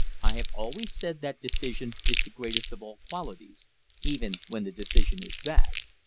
"I have always said that decision is the greatest of all qualities even when the decision is bad.